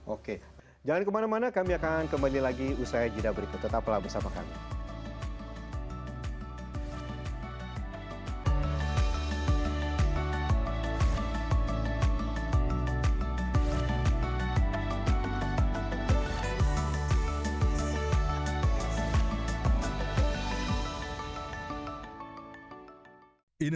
oke jangan kemana mana kami akan kembali lagi usaha ejidah berikutnya tetaplah bersama kami